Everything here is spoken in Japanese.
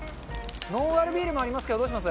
ノンアルビールもありますけどどうします？